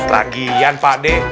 lagian pak de